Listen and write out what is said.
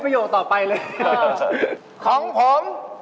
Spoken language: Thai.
ไม่รู้อยู่ในห้องเล็ก